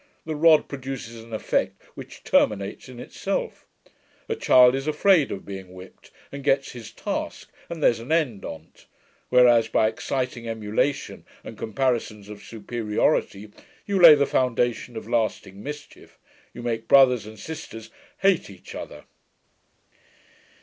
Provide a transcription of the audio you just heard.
The rod produces an effect which terminates itself. A child is afraid of being whipped, and gets his task, and there's an end on't; whereas, by exciting emulation, and comparisons of superiority, you lay the foundation of lasting mischief; you make brothers and sisters hate each other.'